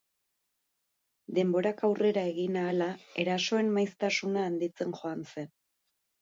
Denborak aurrera egin ahala, erasoen maiztasuna handitzen joan zen.